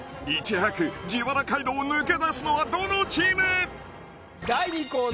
いち早く自腹街道を抜け出すのはどのチーム？